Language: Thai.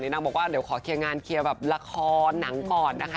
นางบอกว่าเดี๋ยวขอเคลียร์งานเคลียร์แบบละครหนังก่อนนะคะ